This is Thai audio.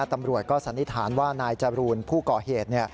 ตำรวจก็สันนิษฐานว่านายจรูนผู้ก่อเหตุ